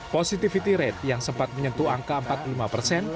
positivity rate yang sempat menyentuh angka empat puluh lima persen